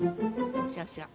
そうそう。